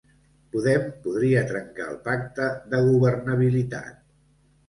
Podem podria trencar el pacte de governabilitat